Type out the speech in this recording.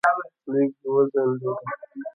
لږ وځنډېدم.